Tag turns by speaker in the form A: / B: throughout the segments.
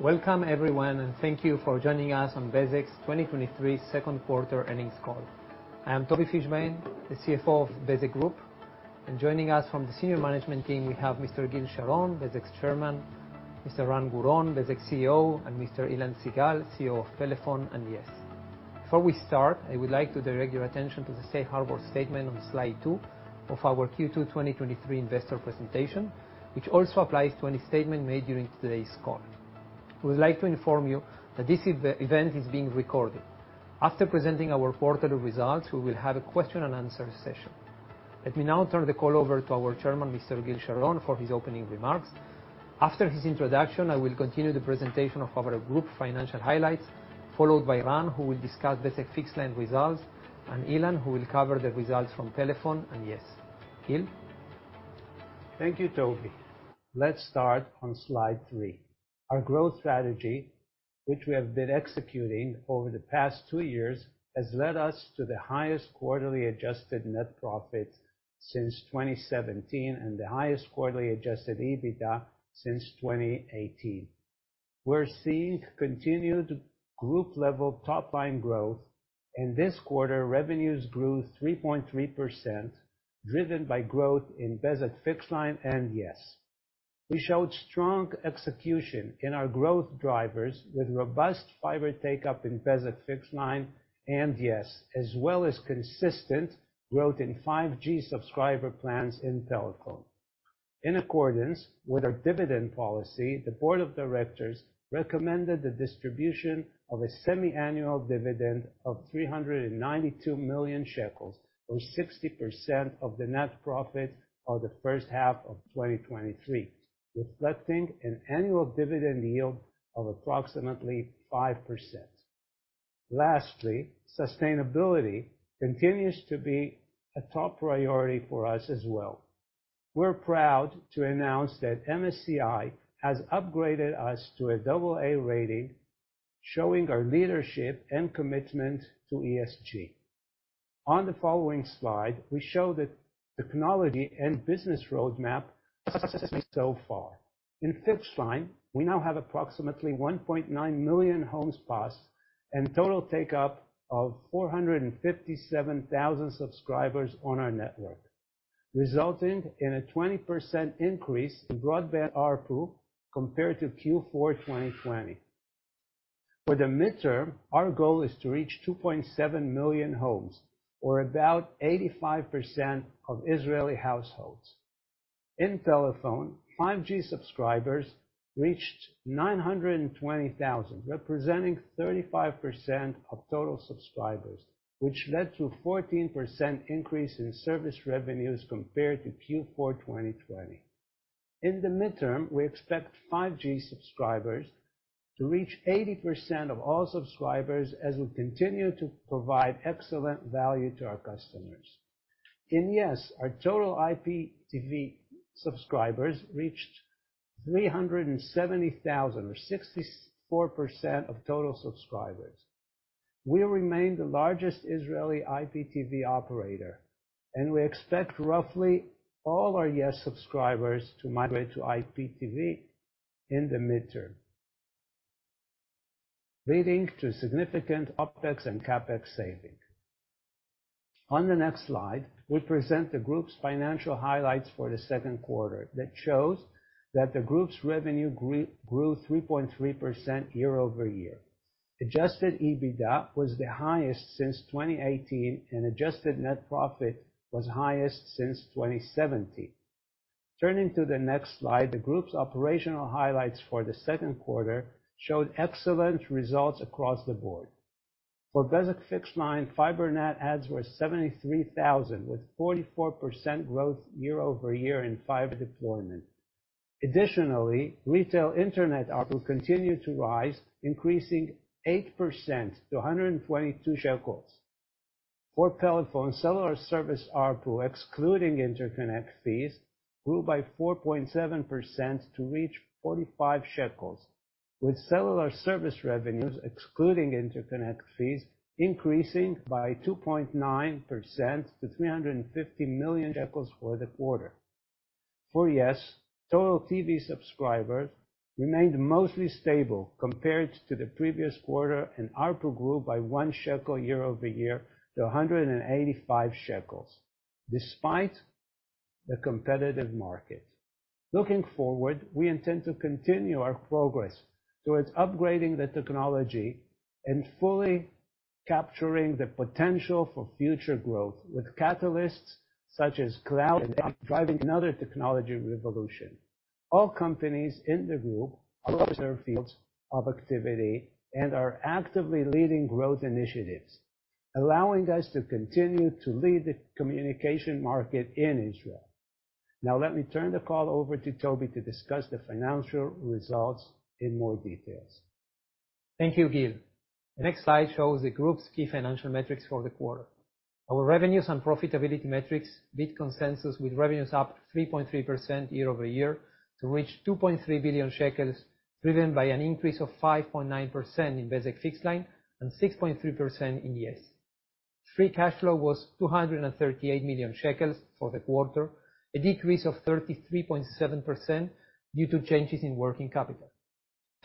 A: Welcome everyone, thank you for joining us on Bezeq's 2023 Q2 earnings call. I am Tobi Fischbein, the CFO of Bezeq Group, and joining us from the senior management team, we have Mr. Gil Sharon, Bezeq's Chairman, Mr. Ran Guron, Bezeq's CEO, and Mr. Ilan Sigal, CEO of Pelephone and Yes. Before we start, I would like to direct your attention to the safe harbor statement on slide 2 of our Q2 2023 investor presentation, which also applies to any statement made during today's call. We would like to inform you that this event is being recorded. After presenting our quarter results, we will have a question and answer session. Let me now turn the call over to our chairman, Mr. Gil Sharon, for his opening remarks. After his introduction, I will continue the presentation of our group financial highlights, followed by Ran, who will discuss Bezeq Fixed-Line results, and Ilan, who will cover the results from Pelephone and Yes. Gil?
B: Thank you, Tobi. Let's start on slide 3. Our growth strategy, which we have been executing over the past two years, has led us to the highest quarterly adjusted net profit since 2017, and the highest quarterly adjusted EBITDA since 2018. We're seeing continued group-level top line growth. In this quarter, revenues grew 3.3%, driven by growth in Bezeq Fixed-Line and Yes. We showed strong execution in our growth drivers, with robust fiber take-up in Bezeq Fixed-Line and Yes, as well as consistent growth in 5G subscriber plans in Pelephone. In accordance with our dividend policy, the board of directors recommended the distribution of a semi-annual dividend of 392 million shekels, or 60% of the net profit of the first half of 2023, reflecting an annual dividend yield of approximately 5%. Lastly, sustainability continues to be a top priority for us as well. We're proud to announce that MSCI has upgraded us to a double A rating, showing our leadership and commitment to ESG. On the following slide, we show the technology and business roadmap so far. In Fixed-Line, we now have approximately 1.9 million homes passed, and total take-up of 457,000 subscribers on our network, resulting in a 20% increase in broadband ARPU compared to Q4 2020. For the midterm, our goal is to reach 2.7 million homes, or about 85% of Israeli households. In Pelephone, 5G subscribers reached 920,000, representing 35% of total subscribers, which led to 14% increase in service revenues compared to Q4 2020. In the midterm, we expect 5G subscribers to reach 80% of all subscribers as we continue to provide excellent value to our customers. In Yes, our total IPTV subscribers reached 370,000, or 64% of total subscribers. We remain the largest Israeli IPTV operator, and we expect roughly all our Yes subscribers to migrate to IPTV in the midterm, leading to significant OpEx and CapEx savings. On the next slide, we present the group's financial highlights for the Q2 that shows that the group's revenue grew 3.3% year-over-year. Adjusted EBITDA was the highest since 2018, and adjusted net profit was highest since 2017. Turning to the next slide, the group's operational highlights for the Q2 showed excellent results across the board. For Bezeq Fixed-Line, fiber net adds were 73,000, with 44% growth year-over-year in fiber deployment. Additionally, retail internet ARPU continued to rise, increasing 8% to 122. For Pelephone, cellular service ARPU, excluding interconnect fees, grew by 4.7% to reach 45 shekels, with cellular service revenues, excluding interconnect fees, increasing by 2.9% to 350 million shekels for the quarter. For yes, total TV subscribers remained mostly stable compared to the previous quarter, and ARPU grew by 1 shekel year-over-year to 185 shekels, despite the competitive market. Looking forward, we intend to continue our progress towards upgrading the technology and fully capturing the potential for future growth, with catalysts such as cloud and AI, driving another technology revolution. All companies in the group across their fields of activity and are actively leading growth initiatives, allowing us to continue to lead the communication market in Israel. Now, let me turn the call over to Tobi to discuss the financial results in more details.
A: Thank you, Gil. The next slide shows the group's key financial metrics for the quarter. Our revenues and profitability metrics beat consensus, with revenues up 3.3% year-over-year to reach 2.3 billion shekels, driven by an increase of 5.9% in Bezeq Fixed-Line and 6.3% in yes. Free cash flow was 238 million shekels for the quarter, a decrease of 33.7% due to changes in working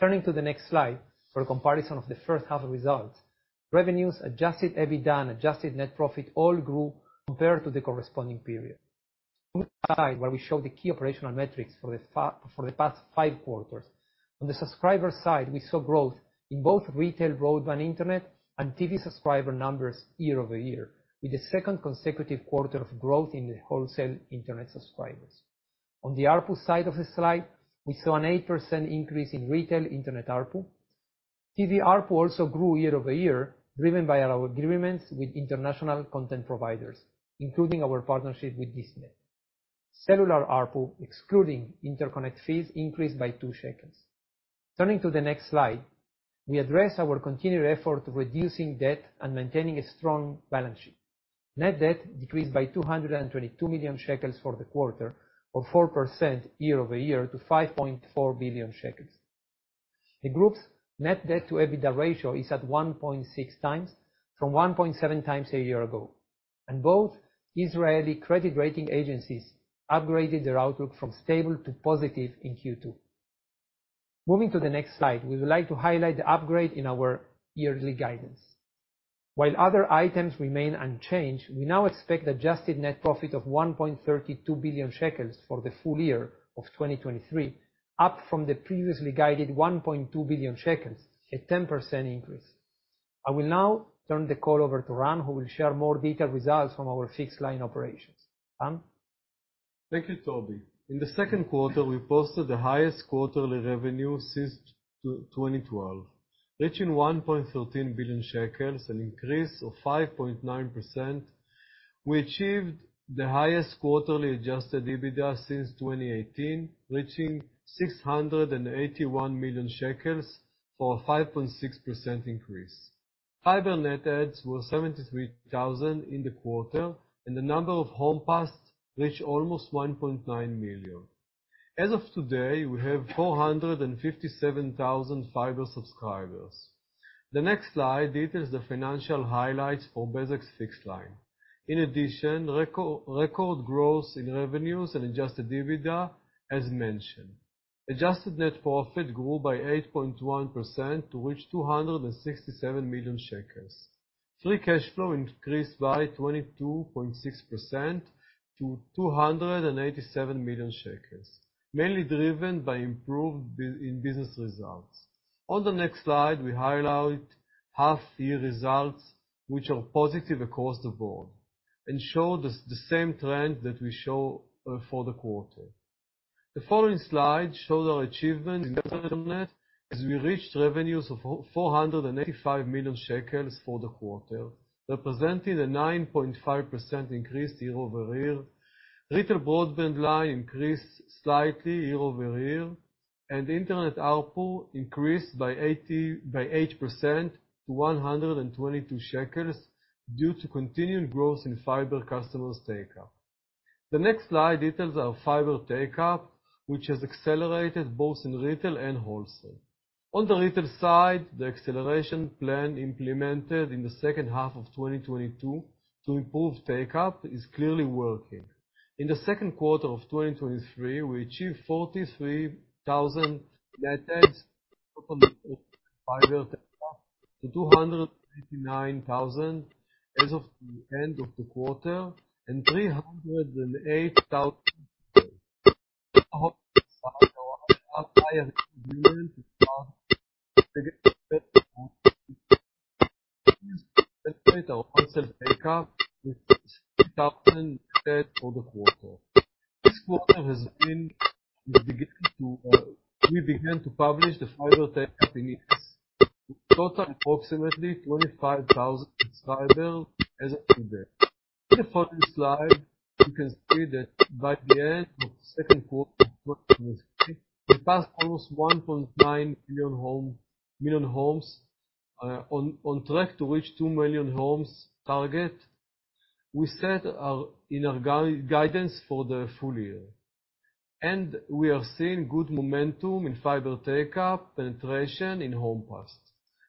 A: capital. Turning to the next slide, for a comparison of the first half results, revenues, adjusted EBITDA, and adjusted net profit all grew compared to the corresponding period. Where we show the key operational metrics for the past five quarters. On the subscriber side, we saw growth in both retail, broadband, Internet, and TV subscriber numbers year-over-year, with the second consecutive quarter of growth in the wholesale Internet subscribers. On the ARPU side of the slide, we saw an 8% increase in retail Internet ARPU. TV ARPU also grew year-over-year, driven by our agreements with international content providers, including our partnership with Disney. Cellular ARPU, excluding interconnect fees, increased by 2 shekels. Turning to the next slide, we address our continued effort of reducing debt and maintaining a strong balance sheet. Net debt decreased by 222 million shekels for the quarter, or 4% year-over-year, to 5.4 billion shekels. The group's net debt to EBITDA ratio is at 1.6 times, from 1.7 times a year ago. Both Israeli credit rating agencies upgraded their outlook from stable to positive in Q2. Moving to the next slide, we would like to highlight the upgrade in our yearly guidance. While other items remain unchanged, we now expect adjusted net profit of 1.32 billion shekels for the full year of 2023, up from the previously guided 1.2 billion shekels, a 10% increase. I will now turn the call over to Ran, who will share more detailed results from our fixed line operations. Ran?
C: Thank you, Tobi. In theQ2, we posted the highest quarterly revenue since 2012, reaching 1.13 billion shekels, an increase of 5.9%. We achieved the highest quarterly adjusted EBITDA since 2018, reaching 681 million shekels, for a 5.6% increase. Fiber net adds was 73,000 in the quarter, and the number of home passed reached almost 1.9 million. As of today, we have 457,000 fiber subscribers. The next slide details the financial highlights for Bezeq Fixed-Line. Record growth in revenues and adjusted EBITDA, as mentioned. Adjusted net profit grew by 8.1% to reach 267 million shekels. Free cash flow increased by 22.6% to 287 million shekels, mainly driven by improved in business results. On the next slide, we highlight half year results, which are positive across the board and show the same trend that we show for the quarter. The following slide shows our achievements as we reached revenues of 485 million shekels for the quarter, representing a 9.5% increase year-over-year. Little broadband line increased slightly year-over-year, and Internet ARPU increased by 8% to 122 shekels due to continued growth in fiber customers takeup. The next slide details our fiber takeup, which has accelerated both in retail and wholesale. On the retail side, the acceleration plan implemented in the second half of 2022 to improve takeup is clearly working. In the Q2 of 2023, we achieved 43,000 net adds, to 289,000 as of the end of the quarter, and 308,000. This quarter has been the beginning to, we began to publish the fiber takeup in it. Total approximately 25,000 subscribers as of today. In the following slide, you can see that by the end of the Q2, we passed almost 1.9 million homes, on track to reach 2 million homes target. We set our, in our guidance for the full year, and we are seeing good momentum in fiber takeup penetration in homes passed.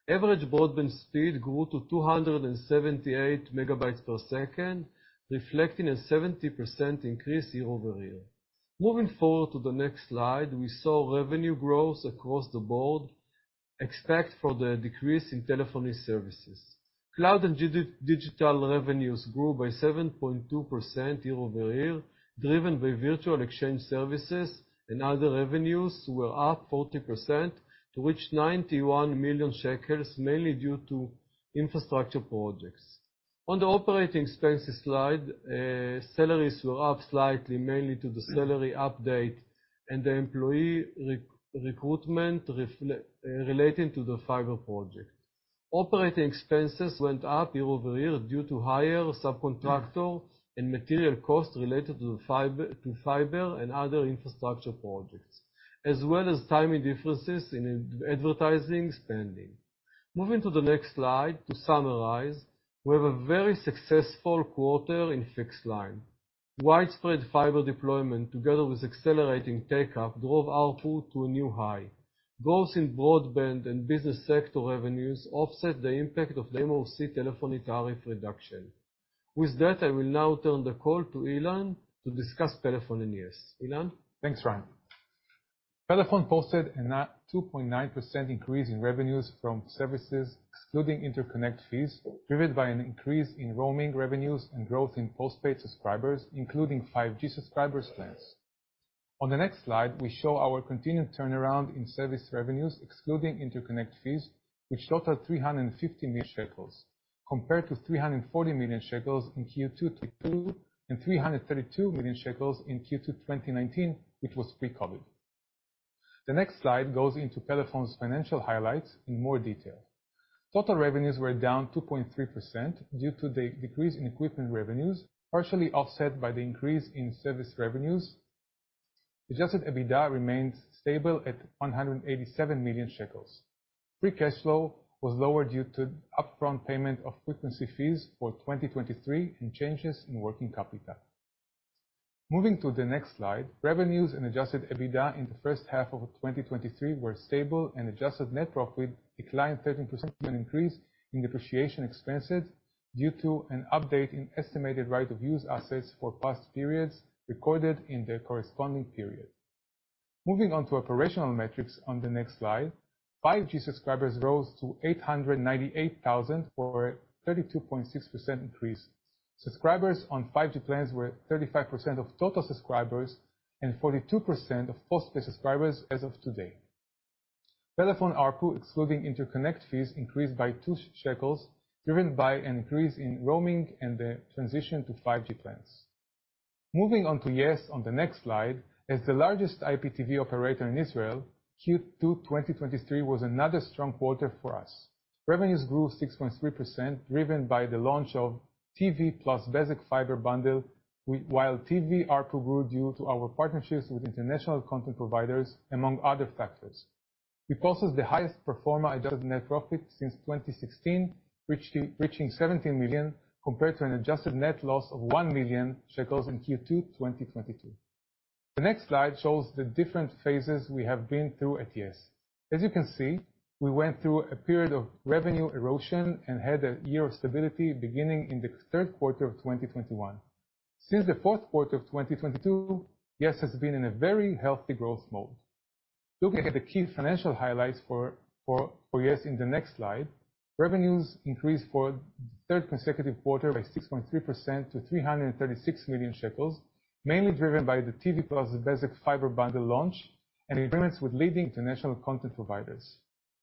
C: Average broadband speed grew to 278 Mbps, reflecting a 70% increase year-over-year. Moving forward to the next slide, we saw revenue growth across the board, except for the decrease in telephony services. Cloud and digital revenues grew by 7.2% year-over-year, driven by virtual exchange services, and other revenues were up 40% to reach 91 million shekels, mainly due to infrastructure projects. On the operating expenses slide, salaries were up slightly, mainly to the salary update and the employee recruitment relating to the fiber project. Operating expenses went up year-over-year due to higher subcontractor and material costs related to the fiber to fiber and other infrastructure projects, as well as timing differences in advertising spending. Moving to the next slide, to summarize, we have a very successful quarter in fixed line. Widespread fiber deployment, together with accelerating take-up, drove ARPU to a new high. Growth in broadband and business sector revenues offset the impact of the MOC telephony tariff reduction. With that, I will now turn the call to Ilan to discuss Pelephone and Yes. Ilan?
D: Thanks, Ran. Pelephone posted a 2.9% increase in revenues from services, excluding interconnect fees, driven by an increase in roaming revenues and growth in postpaid subscribers, including 5G subscribers plans. On the next slide, we show our continued turnaround in service revenues, excluding interconnect fees, which totaled 350 million shekels, compared to 340 million shekels in Q2 2022, and 332 million shekels in Q2 2019, which was pre-COVID. The next slide goes into Pelephone's financial highlights in more detail. Total revenues were down 2.3% due to the decrease in equipment revenues, partially offset by the increase in service revenues. Adjusted EBITDA remained stable at 187 million shekels. Free cash flow was lower due to upfront payment of frequency fees for 2023 and changes in working capital. Moving to the next slide, revenues and adjusted EBITDA in the first half of 2023 were stable and adjusted net profit declined 13% due to an increase in depreciation expenses, due to an update in estimated right-of-use assets for past periods recorded in the corresponding period. Moving on to operational metrics on the next slide, 5G subscribers rose to 898,000, or a 32.6% increase. Subscribers on 5G plans were 35% of total subscribers and 42% of postpaid subscribers as of today. Pelephone ARPU, excluding interconnect fees, increased by 2 shekels, driven by an increase in roaming and the transition to 5G plans. Moving on to Yes, on the next slide, as the largest IPTV operator in Israel, Q2 2023 was another strong quarter for us. Revenues grew 6.3%, driven by the launch of TV+ Fiber Bundle, while TV ARPU grew due to our partnerships with international content providers, among other factors. We posted the highest pro forma adjusted net profit since 2016, reaching 17 million, compared to an adjusted net loss of 1 million shekels in Q2 2022. The next slide shows the different phases we have been through at yes. As you can see, we went through a period of revenue erosion and had a year of stability beginning in the Q3 of 2021. Since the Q4 of 2022, yes has been in a very healthy growth mode. Looking at the key financial highlights for Yes in the next slide, revenues increased for the third consecutive quarter by 6.3% to 336 million shekels, mainly driven by the TV+ Fiber Bundle launch and agreements with leading international content providers.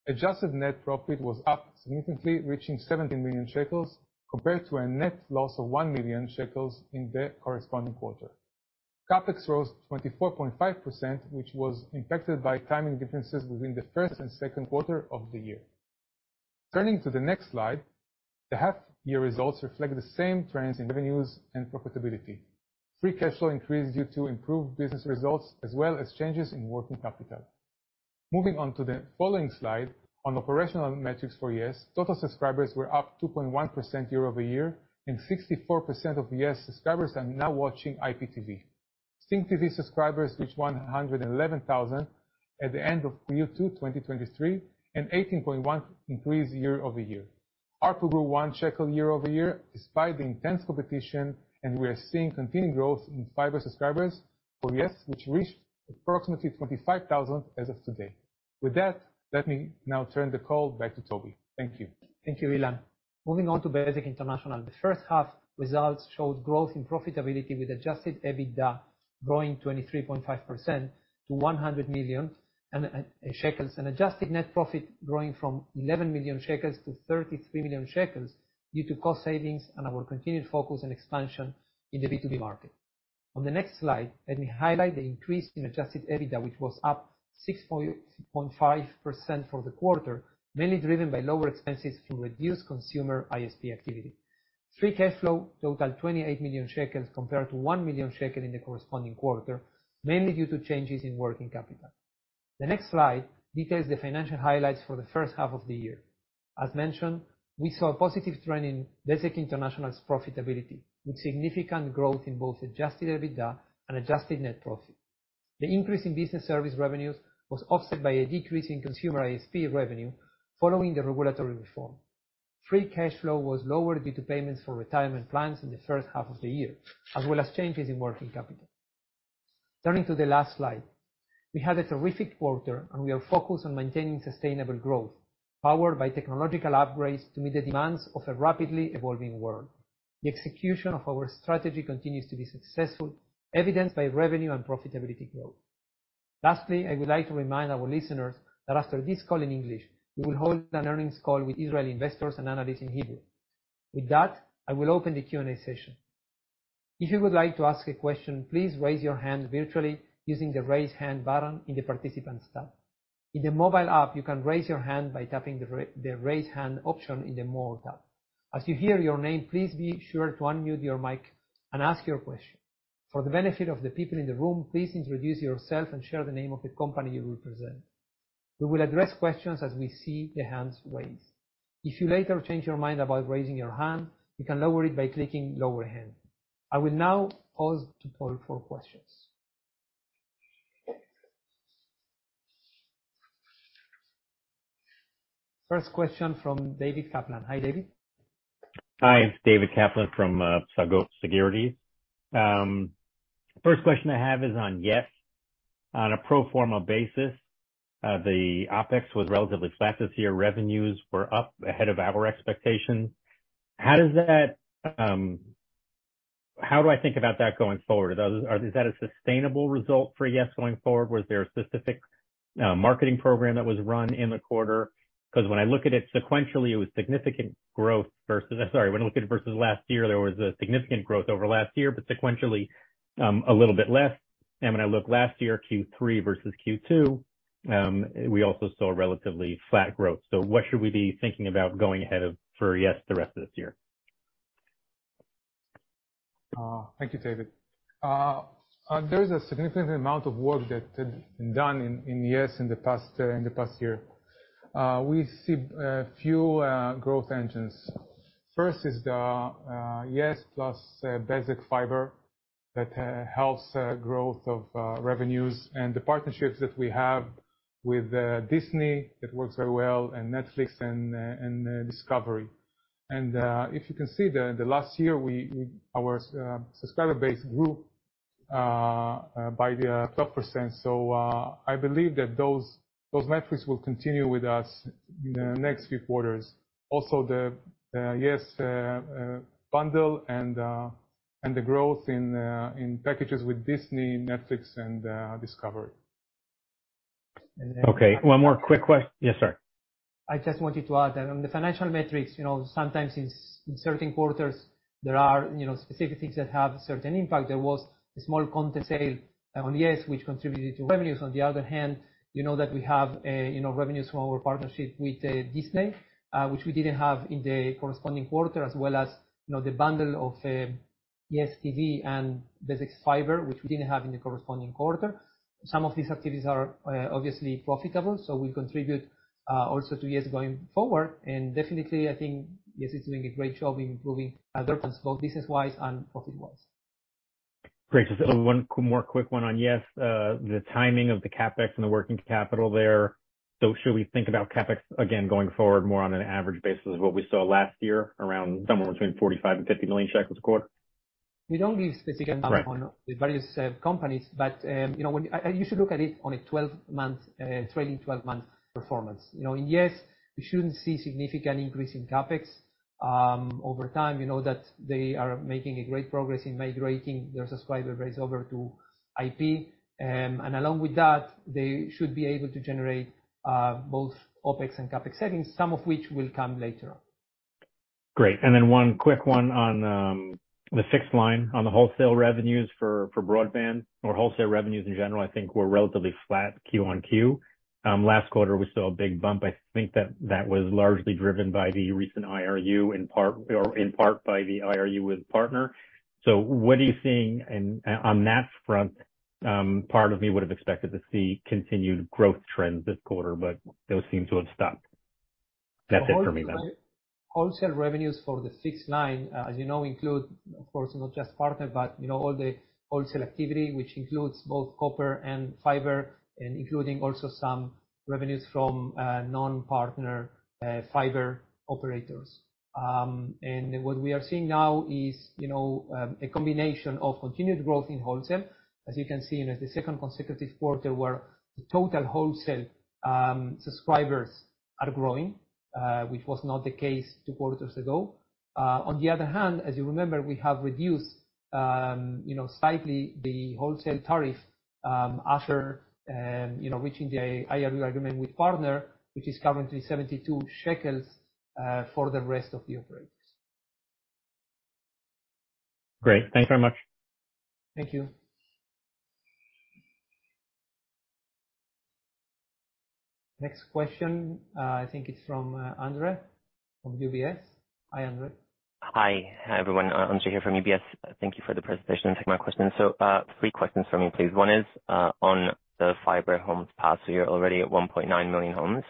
D: Adjusted net profit was up significantly, reaching 17 million shekels, compared to a net loss of 1 million shekels in the corresponding quarter. CapEx rose 24.5%, which was impacted by timing differences between the first and Q2 of the year. Turning to the next slide, the half year results reflect the same trends in revenues and profitability. Free cash flow increased due to improved business results, as well as changes in working capital. Moving on to the following slide, on operational metrics for yes, total subscribers were up 2.1% year-over-year, and 64% of yes subscribers are now watching IPTV. STINGTV subscribers reached 111,000 at the end of Q2 2023, and 18.1% increase year-over-year. ARPU grew 1 shekel year-over-year, despite the intense competition, and we are seeing continued growth in fiber subscribers for yes, which reached approximately 25,000 as of today. With that, let me now turn the call back to Tobi. Thank you.
A: Thank you, Ilan. Moving on to Bezeq International. The first half results showed growth in profitability, with adjusted EBITDA growing 23.5% to 100 million shekels, and adjusted net profit growing from 11 million shekels to 33 million shekels due to cost savings and our continued focus and expansion in the B2B market. On the next slide, let me highlight the increase in adjusted EBITDA, which was up 6.5% for the quarter, mainly driven by lower expenses from reduced consumer ISP activity. Free cash flow totaled 28 million shekels, compared to 1 million shekels in the corresponding quarter, mainly due to changes in working capital. The next slide details the financial highlights for the first half of the year. As mentioned, we saw a positive trend in Bezeq International's profitability, with significant growth in both adjusted EBITDA and adjusted net profit. The increase in business service revenues was offset by a decrease in consumer ISP revenue following the regulatory reform. Free cash flow was lower due to payments for retirement plans in the first half of the year, as well as changes in working capital. Turning to the last slide, we had a terrific quarter, and we are focused on maintaining sustainable growth, powered by technological upgrades to meet the demands of a rapidly evolving world. The execution of our strategy continues to be successful, evidenced by revenue and profitability growth. Lastly, I would like to remind our listeners that after this call in English, we will hold an earnings call with Israeli investors and analysts in Hebrew. With that, I will open the Q&A session. If you would like to ask a question, please raise your hand virtually using the Raise Hand button in the Participants tab. In the mobile app, you can raise your hand by tapping the Raise Hand option in the More tab. As you hear your name, please be sure to unmute your mic and ask your question. For the benefit of the people in the room, please introduce yourself and share the name of the company you represent. We will address questions as we see the hands raised. If you later change your mind about raising your hand, you can lower it by clicking Lower Hand. I will now pause to poll for questions. First question from David Kaplan. Hi, David.
E: Hi, David Kaplan from Psagot Securities. First question I have is on yes, on a pro forma basis, the OpEx was relatively flat this year. Revenues were up ahead of our expectations. How does that, how do I think about that going forward? Is that a sustainable result for yes, going forward? Was there a specific marketing program that was run in the quarter? When I look at it sequentially, it was significant growth versus... Sorry, when I look at it versus last year, there was a significant growth over last year, but sequentially, a little bit less. When I look last year, Q3 versus Q2, we also saw relatively flat growth. What should we be thinking about going ahead of for yes, the rest of this year?
D: Thank you, David. There is a significant amount of work that had been done in, in Yes, in the past, in the past year. We see a few growth engines. First is the yes+ Basic Fiber, that helps growth of revenues and the partnerships that we have with Disney. That works very well, Netflix and Discovery. If you can see, the last year, we- our subscriber base grew by the 12%. I believe that those, those metrics will continue with us in the next few quarters. Also, the Yes bundle and the growth in packages with Disney, Netflix and Discovery.
E: Okay, one more quick yes, sir.
A: I just wanted to add, on the financial metrics, you know, sometimes in, in certain quarters, there are, you know, specific things that have certain impact. There was a small content sale on Yes, which contributed to revenues. On the other hand, you know that we have a, you know, revenues from our partnership with Disney, which we didn't have in the corresponding quarter, as well as, you know, the bundle of Yes TV and basic fiber, which we didn't have in the corresponding quarter. Some of these activities are obviously profitable, so will contribute also to Yes going forward. Definitely, I think Yes is doing a great job in improving adherence, both business-wise and profit-wise.
E: Great. Just one more quick one on yes. The timing of the CapEx and the working capital there. Should we think about CapEx again going forward, more on an average basis of what we saw last year, around somewhere between 45 million and 50 million shekels a quarter?
A: We don't give specific numbers.
E: Right.
A: On the various companies, but, you know, when... You should look at it on a 12-month trading 12-month performance. You know, in yes, we shouldn't see significant increase in CapEx. Over time, you know, that they are making a great progress in migrating their subscriber base over to IP. Along with that, they should be able to generate both OpEx and CapEx savings, some of which will come later.
E: Great. One quick one on the fixed-line on the wholesale revenues for, for broadband or wholesale revenues in general, I think were relatively flat Q-on-Q. Last quarter we saw a big bump. I think that that was largely driven by the recent IRU, in part, or in part by the IRU with Partner. What are you seeing on that front, part of me would have expected to see continued growth trends this quarter, but those seem to have stopped. That's it for me, then.
A: Wholesale revenues for the sixth line, as you know, include, of course, not just Partner, but, you know, all the wholesale activity, which includes both copper and fiber, and including also some revenues from non-Partner fiber operators. What we are seeing now is, you know, a combination of continued growth in wholesale. As you can see, in the second consecutive quarter, where the total wholesale subscribers are growing, which was not the case 2 quarters ago. On the other hand, as you remember, we have reduced, you know, slightly the wholesale tariff, after, you know, reaching the IRU agreement with Partner, which is currently 72 shekels for the rest of the operators.
E: Great. Thanks very much.
A: Thank you. Next question, I think it's from Andre, from UBS. Hi, Andre.
F: Hi. Hi, everyone, Andre here from UBS. Thank you for the presentation and taking my question. Three questions for me, please. One is on the fiber homes passed. You're already at 1.9 million homes.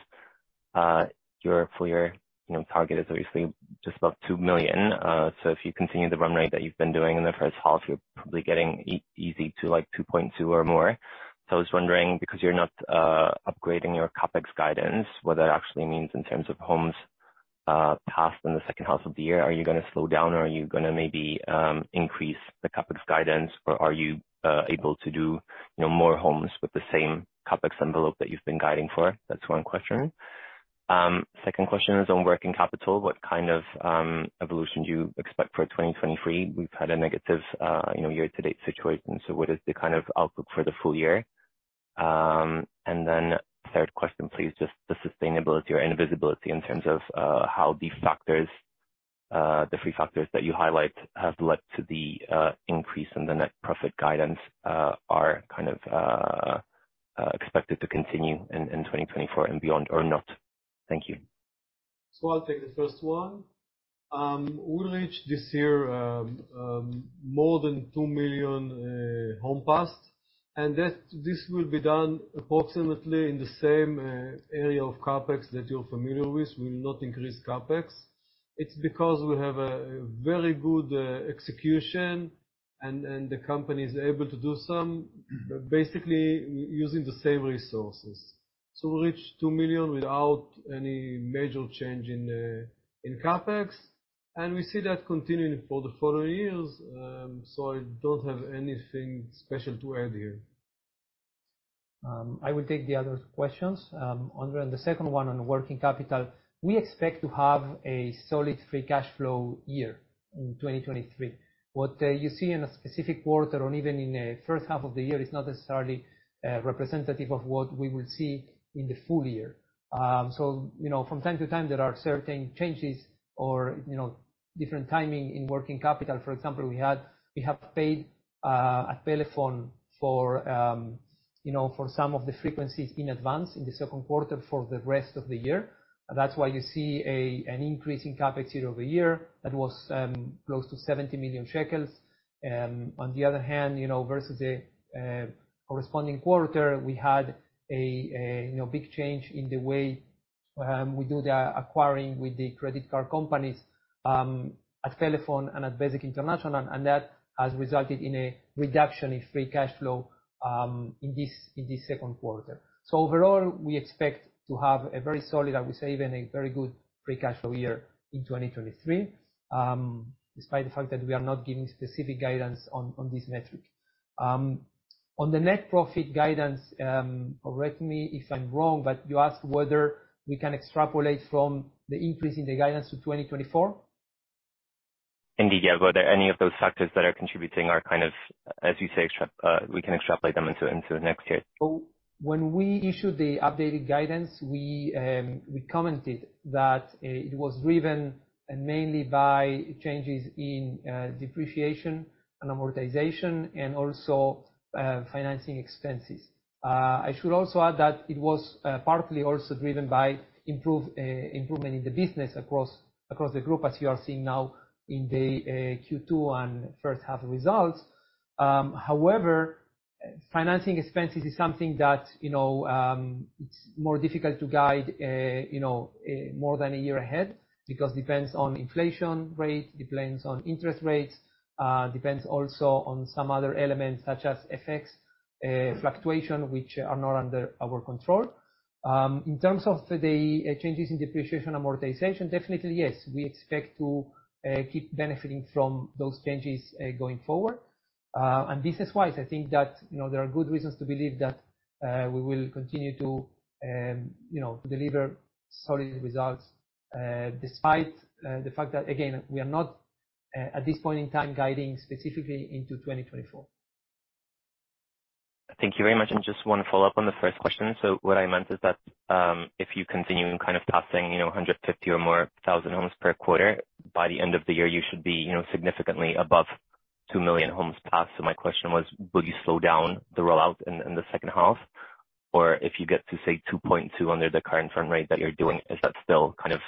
F: Your full year, you know, target is obviously just above 2 million. If you continue the run rate that you've been doing in the first half, you're probably getting easy to like 2.2 or more. I was wondering, because you're not upgrading your CapEx guidance, what that actually means in terms of homes passed in the second half of the year. Are you going to slow down or are you going to maybe increase the CapEx guidance, or are you able to do, you know, more homes with the same CapEx envelope that you've been guiding for? That's one question. Second question is on working capital. What kind of evolution do you expect for 2023? We've had a negative, you know, year-to-date situation, so what is the kind of outlook for the full year? Then third question, please. Just the sustainability or any visibility in terms of how these factors, the three factors that you highlight, have led to the increase in the net profit guidance, are kind of expected to continue in 2024 and beyond or not? Thank you....
C: I'll take the first one. We reached this year more than 2 million homes passed, and that this will be done approximately in the same area of CapEx that you're familiar with. We'll not increase CapEx. It's because we have a very good execution, and the company is able to do some, basically, using the same resources. We'll reach 2 million without any major change in CapEx, and we see that continuing for the following years. I don't have anything special to add here.
A: I will take the other questions. Andre, the second one on working capital. We expect to have a solid, free cash flow year in 2023. What you see in a specific quarter or even in a first half of the year, is not necessarily representative of what we will see in the full year. You know, from time to time, there are certain changes or, you know, different timing in working capital. For example, we have paid at Pelephone for, you know, for some of the frequencies in advance in the Q2 for the rest of the year. That's why you see an increase in capacity over the year that was close to 70 million shekels. On the other hand, you know, versus the corresponding quarter, we had a, you know, big change in the way we do the acquiring with the credit card companies at Pelephone and at Bezeq International, and that has resulted in a reduction in free cash flow in this second quarter. Overall, we expect to have a very solid, I would say, even a very good free cash flow year in 2023 despite the fact that we are not giving specific guidance on this metric. On the net profit guidance, correct me if I'm wrong, but you asked whether we can extrapolate from the increase in the guidance to 2024?
F: Indeed, yeah. Whether any of those factors that are contributing are, kind of, as you say, extra... We can extrapolate them into, into next year.
A: When we issued the updated guidance, we commented that it was driven mainly by changes in depreciation and amortization, and also financing expenses. I should also add that it was partly also driven by improvement in the business across the group, as you are seeing now in the Q2 and first half results. However, financing expenses is something that, you know, it's more difficult to guide, you know, more than a year ahead, because depends on inflation rate, depends on interest rates, depends also on some other elements, such as effects fluctuation, which are not under our control. In terms of the changes in depreciation and amortization, definitely yes, we expect to keep benefiting from those changes going forward. This is why I think that, you know, there are good reasons to believe that, we will continue to, you know, deliver solid results, despite the fact that, again, we are not, at this point in time, guiding specifically into 2024.
F: Thank you very much. Just 1 follow-up on the first question. What I meant is that, if you continue in kind of passing, you know, 150,000 or more homes per quarter, by the end of the year, you should be, you know, significantly above 2 million homes passed. My question was, will you slow down the rollout in the second half? If you get to, say, 2.2 under the current run rate that you're doing, is that still kind of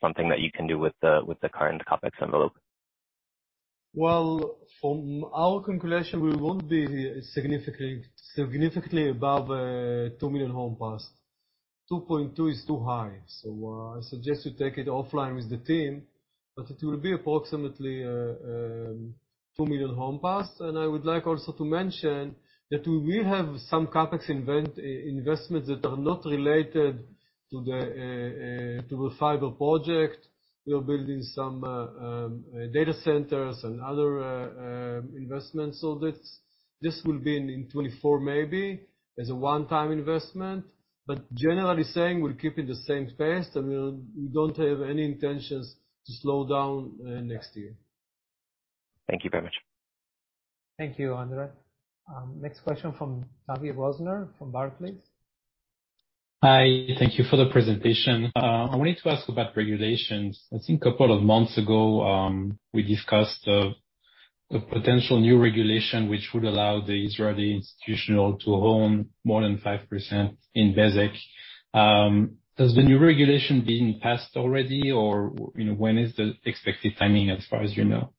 F: something that you can do with the current CapEx envelope?
C: Well, from our calculation, we won't be significantly, significantly above, 2 million homes passed. 2.2 is too high, so, I suggest you take it offline with the team, but it will be approximately, 2 million homes passed. I would like also to mention that we will have some CapEx invest-investments that are not related to the fiber project. We are building some data centers and other investments. This, this will be in, in 2024, maybe, as a one-time investment. Generally saying, we're keeping the same pace, and we don't have any intentions to slow down, next year.
F: Thank you very much.
A: Thank you, Andre. next question from Tavy Rosner, from Barclays.
G: Hi, thank you for the presentation. I wanted to ask about regulations. I think a couple of months ago, we discussed the potential new regulation, which would allow the Israeli institutional to own more than 5% in Bezeq. Has the new regulation been passed already, or, you know, when is the expected timing, as far as you know?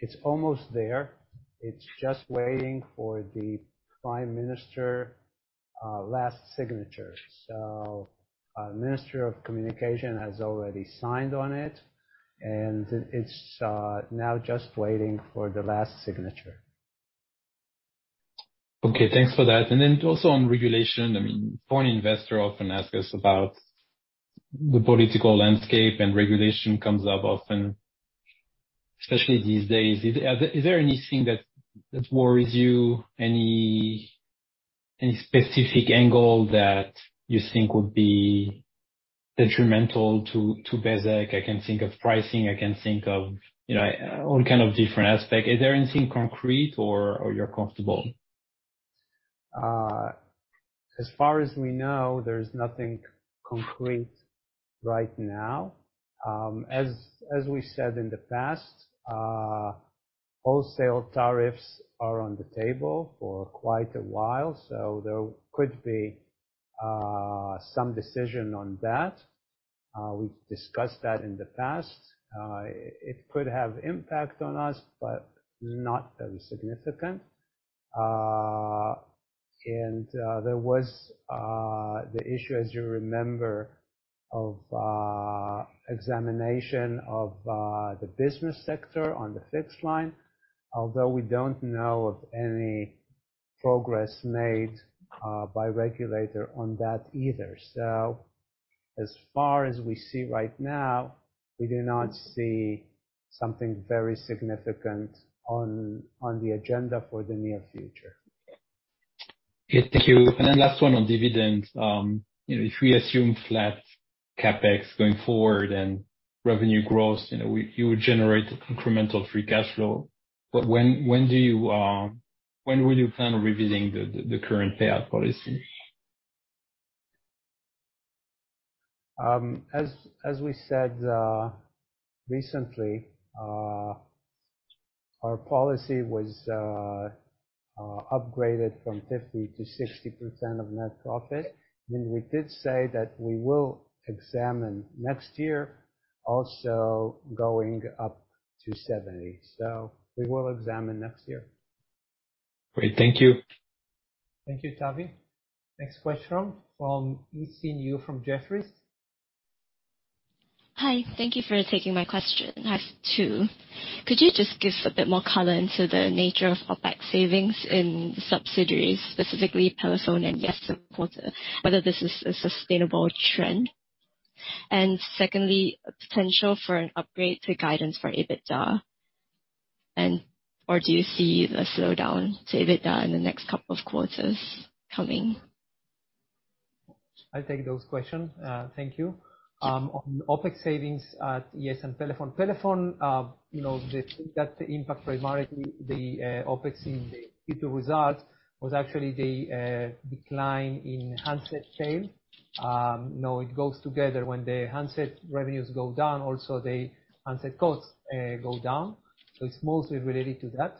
B: It's almost there. It's just waiting for the Prime Minister last signature. Minister of Communications has already signed on it, and it's now just waiting for the last signature.
G: Okay, thanks for that. Also on regulation, I mean, foreign investors often ask us about the political landscape, and regulation comes up often, especially these days. Is there anything that worries you? Any specific angle that you think would be detrimental to Bezeq? I can think of pricing, I can think of, you know, all kind of different aspects. Is there anything concrete or you're comfortable?
B: As far as we know, there's nothing concrete right now. As, as we said in the past, wholesale tariffs are on the table for quite a while, so there could be some decision on that. We've discussed that in the past. It could have impact on us, but not very significant. And there was the issue, as you remember, of examination of the business sector on the fixed line, although we don't know of any progress made by regulator on that either. As far as we see right now, we do not see something very significant on, on the agenda for the near future.
G: Okay, thank you. Then last one on dividends. You know, if we assume flat CapEx going forward and revenue growth, you know, you would generate incremental free cash flow. When, when do you, when will you plan on reviewing the, the, the current payout policy?
B: As, as we said, recently, our policy was upgraded from 50% to 60% of net profit. We did say that we will examine next year, also going up to 70%. We will examine next year.
G: Great, thank you.
A: Thank you, Tavy. Next question from Yaxin Yu from Jefferies.
H: Hi, thank you for taking my question. I have two. Could you just give us a bit more color into the nature of OpEx savings in subsidiaries, specifically Pelephone and yes, quarter, whether this is a sustainable trend? Secondly, a potential for an upgrade to guidance for EBITDA, or do you see a slowdown to EBITDA in the next couple of quarters coming?
A: I'll take those questions. Thank you. On OpEx savings at YES and Pelephone. Pelephone, you know, the, that impact primarily the OpEx in the Q2 results was actually the decline in handset sale. Now, it goes together. When the handset revenues go down, also the handset costs go down, so it's mostly related to that.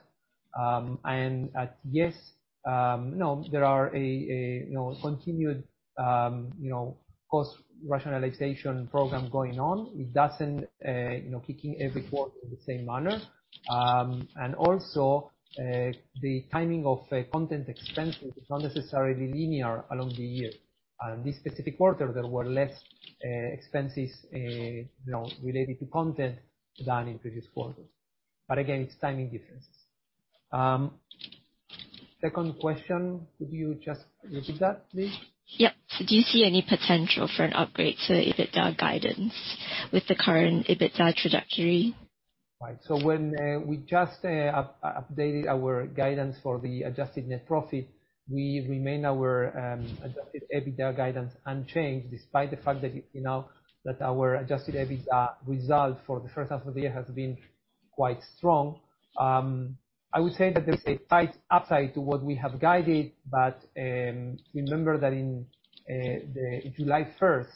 A: And at YES, you know, there are a, a, you know, continued, you know, cost rationalization program going on. It doesn't, you know, kick in every quarter in the same manner. And also, the timing of content expenses is not necessarily linear along the year. And this specific quarter, there were less expenses, you know, related to content than in previous quarters. But again, it's timing differences. Second question, could you just repeat that, please?
H: Yep. Do you see any potential for an upgrade to the EBITDA guidance with the current EBITDA trajectory?
A: Right. When we just updated our guidance for the adjusted net profit, we remained our adjusted EBITDA guidance unchanged, despite the fact that, you know, that our adjusted EBITDA result for the first half of the year has been quite strong. I would say that there's a slight upside to what we have guided, but remember that in the July 1st,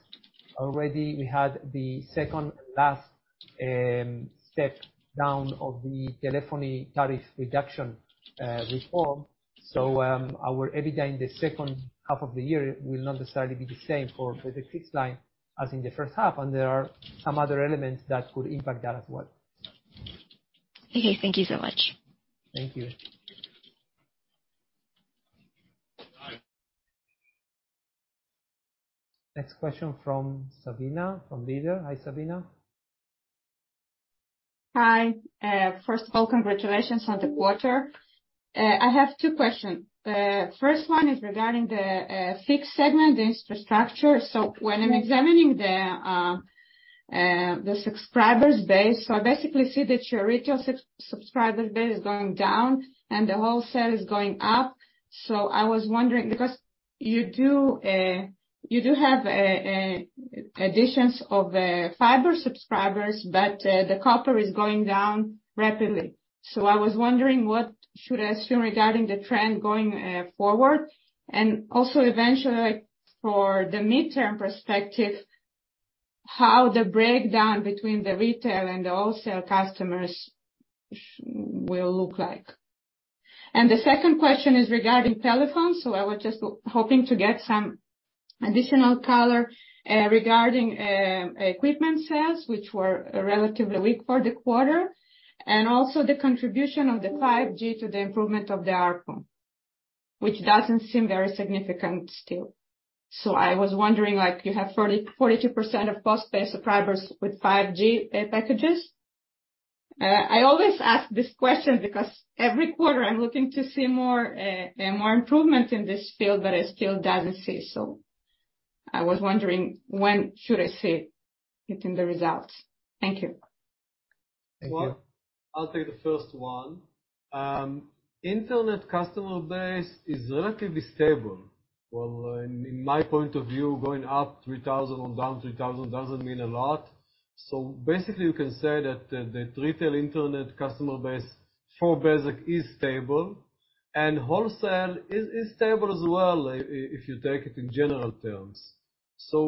A: already we had the second and last step down of the telephony tariff reduction reform. Our EBITDA in the second half of the year will not necessarily be the same for, for the fixed-line as in the first half, and there are some other elements that could impact that as well.
H: Okay. Thank you so much.
A: Thank you. Next question from Sebina, from Bank Leumi. Hi, Sebina.
I: Hi. First of all, congratulations on the quarter. I have 2 questions. The first one is regarding the fixed segment, the infrastructure. When I'm examining the subscribers base, I basically see that your retail subscribers base is going down, and the wholesale is going up. I was wondering, because you do, you do have additions of fiber subscribers, but the copper is going down rapidly. I was wondering, what should I assume regarding the trend going forward? Also eventually, like, for the midterm perspective, how the breakdown between the retail and the wholesale customers will look like. The 2nd question is regarding Pelephone. I was just hoping to get some additional color regarding equipment sales, which were relatively weak for the quarter, and also the contribution of the 5G to the improvement of the ARPU, which doesn't seem very significant still. I was wondering, like, you have 42% of post-paid subscribers with 5G packages. I always ask this question because every quarter I'm looking to see more more improvement in this field, but I still doesn't see so. I was wondering, when should I see it in the results? Thank you.
B: Thank you. Well, I'll take the first one. Internet customer base is relatively stable. Well, in, in my point of view, going up 3,000 or down 3,000 doesn't mean a lot. So basically, you can say that the retail internet customer base for Bezeq is stable.
C: wholesale is, is stable as well, if, if you take it in general terms.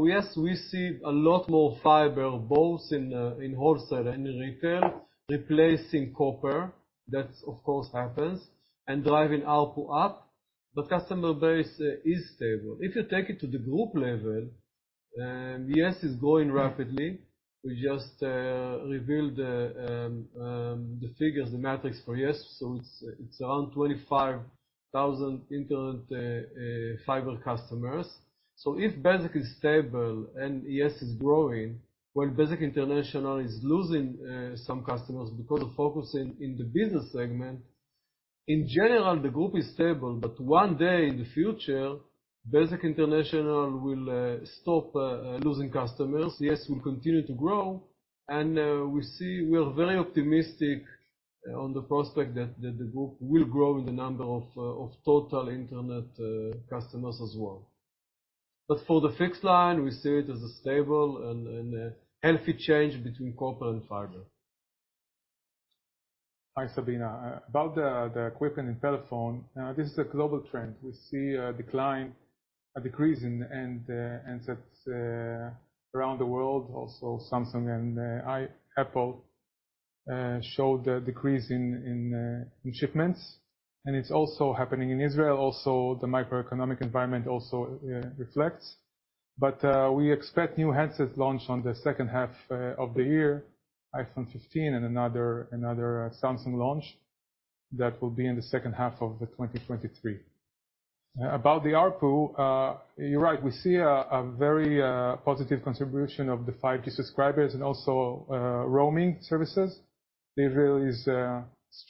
C: Yes, we see a lot more fiber, both in wholesale and in retail, replacing copper. That, of course, happens, and driving ARPU up. The customer base is stable. If you take it to the group level, Yes, it's growing rapidly. We just revealed the figures, the metrics for Yes. It's, it's around 25,000 internet fiber customers. If Bezeq is stable and, Yes, it's growing, while Bezeq International is losing some customers because of focusing in the business segment, in general, the group is stable, but one day in the future, Bezeq International will stop losing customers. Yes, we'll continue to grow, and we see we are very optimistic on the prospect that the group will grow in the number of total Internet customers as well. For the fixed line, we see it as a stable and a healthy change between corporate and fiber.
D: Hi, Sabina. About the, the equipment in Pelephone, this is a global trend. We see a decline, a decrease in the end, handsets, around the world. Also, Samsung and Apple showed a decrease in, in shipments, and it's also happening in Israel. Also, the microeconomic environment also reflects. we expect new handsets launch on the second half of the year, iPhone 15 and another, another Samsung launch. That will be in the second half of the 2023. About the ARPU, you're right. We see a, a very positive contribution of the 5G subscribers and also roaming services. Israel is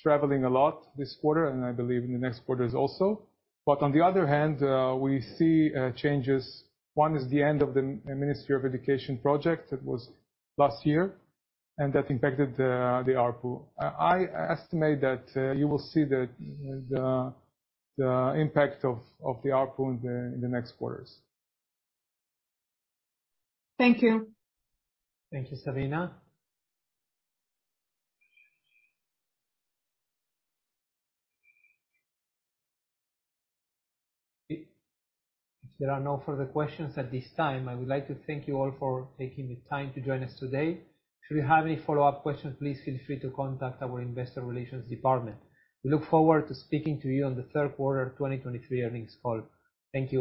D: traveling a lot this quarter, and I believe in the next quarters also. on the other hand, we see changes. One is the end of the Ministry of Education project. That was last year. That impacted the ARPU. I estimate that you will see the impact of the ARPU in the next quarters.
H: Thank you.
A: Thank you, Sabina. If there are no further questions at this time, I would like to thank you all for taking the time to join us today. If you have any follow-up questions, please feel free to contact our investor relations department. We look forward to speaking to you on the Q3 of 2023 earnings call. Thank you all.